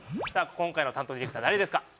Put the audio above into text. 今回の担当ディレクター誰ですか？